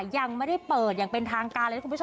ยังไม่ได้เปิดอย่างเป็นทางการเลยนะคุณผู้ชม